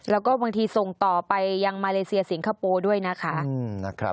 แล้วก็บางทีส่งต่อไปยังมาเลเซียสิงคโปร์ด้วยนะคะ